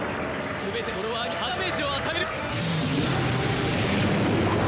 すべてのフォロワーに８ダメージを与える。